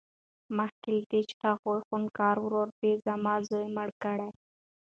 مخکې له دې چې هغه خونکار ورور دې زما زوى مړ کړي.